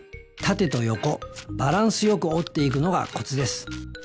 縦と横バランスよく折っていくのがコツです。